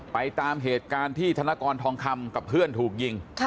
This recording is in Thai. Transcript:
ไปตามเหตุการณ์ที่ธนาคอร์นทองคี่๋ไปทิ้งครับ